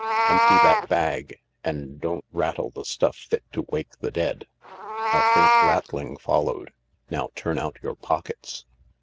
" Empty that bag. And don't rattle the stuff fit to wake the dead." A faint rattling followed. " Now turn out your pockets."